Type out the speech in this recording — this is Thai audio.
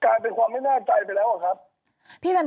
จะเป็นเหมือนเดิมอีกไหมมันกลายเป็นความไม่แน่ใจไปแล้วครับ